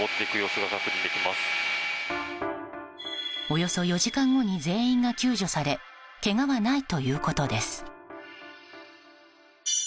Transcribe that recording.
およそ４時間後に全員が救助されけがはないということです。